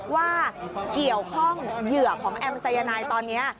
ว่าเกี่ยวข้องเหยื่อของแอมสายนายตอนนี้